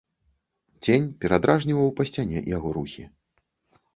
Цень перадражніваў па сцяне яго рухі.